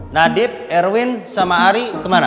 nadieb erwin sama ari kemana